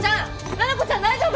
七子ちゃん大丈夫！？